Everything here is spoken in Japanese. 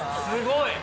すごい！